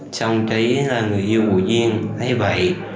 xong trấy là người yêu của duyên thấy vậy